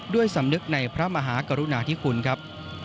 ด้วยสำนึกในพระมหากรุณาธิคุณครับ